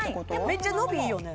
めっちゃ伸びいいよね